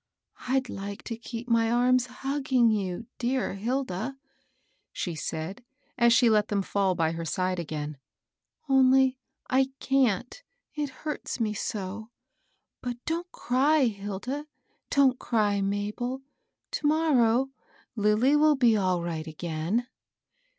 " I'd Uke to keep my arms hugging you, dear Hilda," she said, as she let them fall by her side again, '* only I can't, it hurts me so. But don't cry, Hilda, —•' don't cry, Mabel. To morrow, Lilly will be all right again."